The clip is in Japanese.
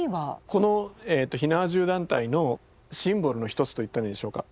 この火縄銃団体のシンボルの一つと言ったらいいでしょうか。